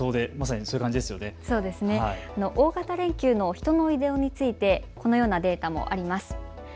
大型連休の人の移動についてこのようなデータもあります。